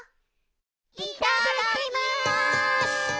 いただきます！